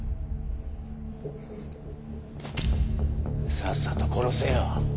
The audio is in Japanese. さっさと殺せよ。